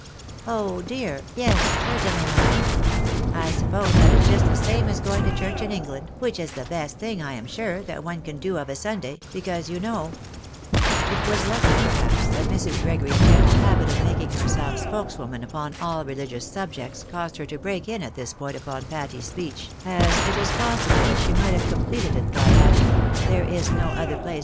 " Oh, dear ! yes, certainly, ma'am. I suppose that is just the same as going to church in England, which is the best thing, I am sure, that one can do of a Sunday, because you know " It 'was lucky, perhaps, that Mrs. Gregory's general habit of making herself spokeswoman upon all religious subjects caused her to break in at this point upon Patty's speech, as it is possible that she might have completed it by adding —" there is no other place 122 THE BAKXABYS IX AMERICA.